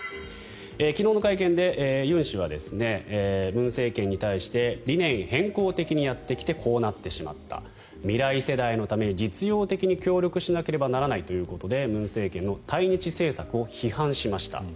昨日の会見でユン氏は文政権に対して理念偏向的にやってきてこうなってしまった未来世代のために実用的に協力しなければならないということで文政権の対日政策を批判しました。